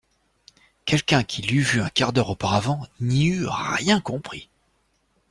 Quelqu'un qui l'eût vue un quart d'heure auparavant n'y eût rien compris.